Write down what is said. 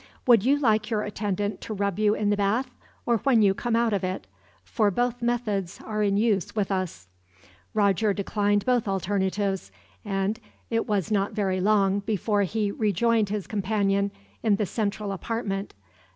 Would you like your attendant to rub you in the bath, or when you come out of it? For both methods are in use with us." Roger declined both alternatives, and it was not very long before he rejoined his companion in the central apartment.